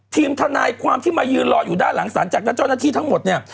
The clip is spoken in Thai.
ทีมทนายความที่มายืนรออยู่ด้านหลังสารจากนั้นเจ้าหน้าที่ทั้งหมดเนี่ย